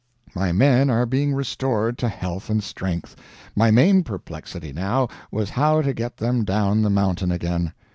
My men are being restored to health and strength, my main perplexity, now, was how to get them down the mountain again.